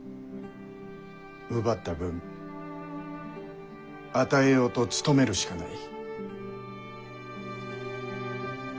奪った分与えようと努めるしかない。